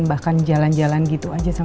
bahkan jalan jalan gitu aja sama pak raymond